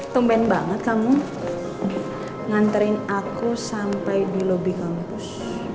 tumben banget kamu nganterin aku sampai di lobby kampus